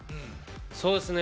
そうですね